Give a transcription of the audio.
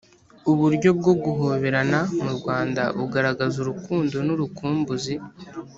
uburyo bwo guhoberana mu rwanda bugaragaza urukundo n‘urukumbuzi